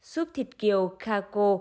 suốt thịt kiều cà cô